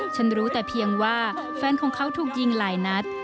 ฉันรู้แต่เพียงว่าแฟนของเขาถูกยิงหลายนัด